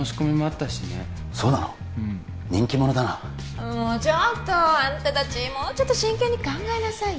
うん人気者だなもうちょっとあんた達もうちょっと真剣に考えなさいよ